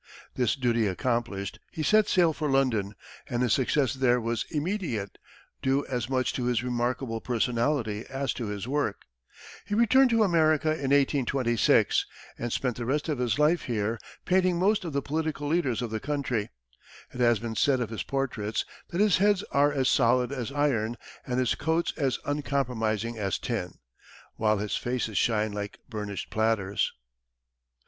This duty accomplished, he set sail for London, and his success there was immediate, due as much to his remarkable personality as to his work. He returned to America in 1826, and spent the rest of his life here, painting most of the political leaders of the country. It has been said of his portraits that his heads are as solid as iron and his coats as uncompromising as tin, while his faces shine like burnished platters.